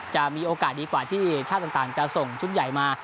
จะมีโอกาสดีกว่าที่ชาติต่างจะส่งชุดใหญ่มา